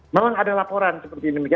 memang ada laporan seperti ini